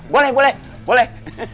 boleh boleh boleh